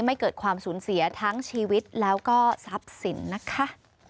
ไม่เกิดความสูญเสียทั้งชีวิตแล้วก็ทรัพย์สินนะคะ